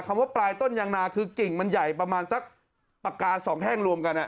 ว่าปลายต้นยางนาคือกิ่งมันใหญ่ประมาณสักปากกาสองแท่งรวมกัน